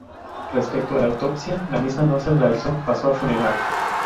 Respecto a la autopsia, la misma no se realizó, pasó a funeral.